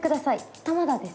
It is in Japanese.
玉田です。